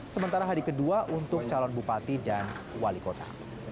sementara hari kedua untuk calon bupati dan wali kota